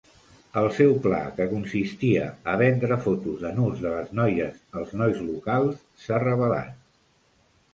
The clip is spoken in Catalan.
El seu pla, que consistia a vendre fotos de nus de les noies als nois locals, s'ha revelat.